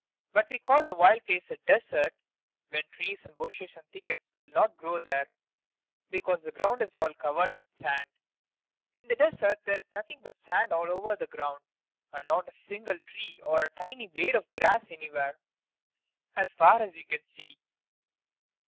But we call the wild place a desert when trees and bushes and thickets will not grow there, because the ground is all covered with sand. In the desert there is nothing but sand all over the ground, and not a single tree or a tiny blade of grass anywhere, as far as you can see.